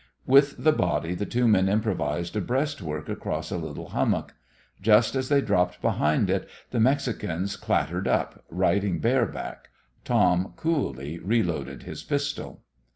With the body the two men improvised a breastwork across a little hummock. Just as they dropped behind it the Mexicans clattered up, riding bareback. Tom coolly reloaded his pistol.